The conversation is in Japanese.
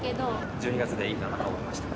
１２月でいいかなと思いました。